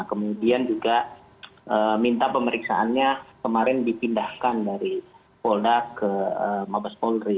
kemudian juga minta pemeriksaannya kemarin dipindahkan dari polda ke mabes polri